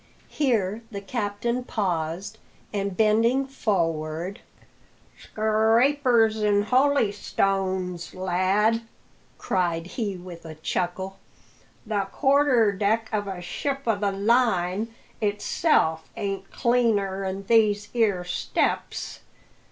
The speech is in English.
Here the captain paused, and bending forward: "Scrapers an' holystones, lad!" cried he with a chuckle; "the quarterdeck of a ship o' the line itself ain't cleaner'n these 'ere steps.